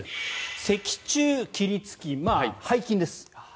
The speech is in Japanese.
脊柱起立筋、背筋です。